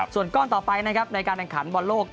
ส่วนก้อนต่อไปนะครับในการแข่งขันบอลโลก